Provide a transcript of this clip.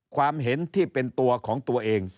ความเห็นที่เป็นตัวของตัวเอง